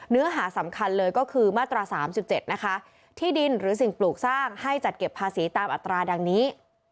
เนื้อหาสำคัญเลยก็คือมาตรา๓๗นะคะที่ดินหรือสิ่งปลูกสร้างให้จัดเก็บภาษีตามอัตราดังนี้